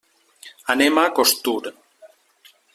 Anem a Costur.